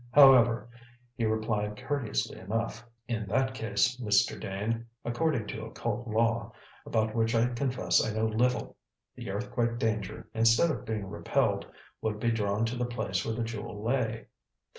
However, he replied courteously enough: "In that case, Mr. Dane according to occult law, about which I confess I know little the earthquake danger, instead of being repelled, would be drawn to the place where the jewel lay."